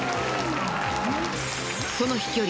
その飛距離